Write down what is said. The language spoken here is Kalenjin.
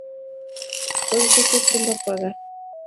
Koesyo Chepchumba kwo kaa.